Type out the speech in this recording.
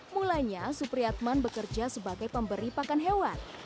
mulanya supriyatman bekerja sebagai pemberi pakan hewan